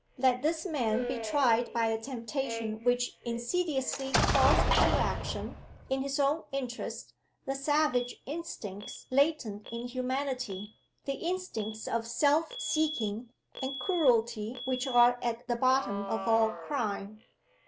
Let this man be tried by a temptation which insidiously calls into action, in his own interests, the savage instincts latent in humanity the instincts of self seeking and cruelty which are at the bottom of all crime.